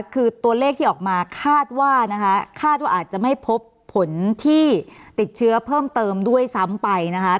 คือตัวเลขที่ออกมาคาดว่านะคะคาดว่าอาจจะไม่พบผลที่ติดเชื้อเพิ่มเติมด้วยซ้ำไปนะคะ